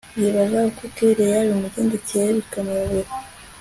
yibaza uko kellia bimugendekeye bikamuyobera